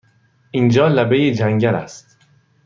اینجا لبه جنگل است!